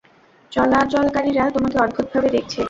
চলাচলকারীরা তোমাকে অদ্ভুতভাবে দেখছে।